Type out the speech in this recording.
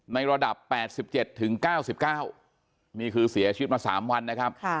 ในระดับ๘๗ถึง๙๙นี่คือเสียชีวิตมา๓วันนะครับ